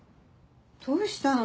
どうしたの？